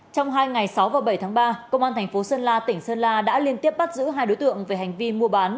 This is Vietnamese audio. trong hai ngày sáu và bảy tháng ba công an thành phố sơn la tỉnh sơn la đã liên tiếp bắt giữ hai đối tượng về hành vi mua bán